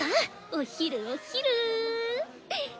お昼おっ昼！